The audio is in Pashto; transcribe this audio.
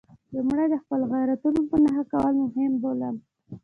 لومړی د خپلو غیرتونو په نښه کول مهم بولم.